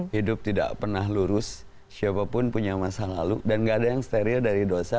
hidup tidak pernah lurus siapapun punya masa lalu dan gak ada yang steril dari dosa